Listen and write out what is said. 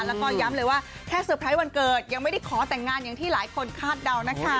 แล้วก็ย้ำเลยว่าแค่เซอร์ไพรส์วันเกิดยังไม่ได้ขอแต่งงานอย่างที่หลายคนคาดเดานะคะ